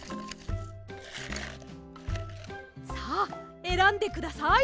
さあえらんでください！